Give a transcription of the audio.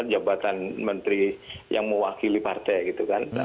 jabatan menteri yang mewakili partai gitu kan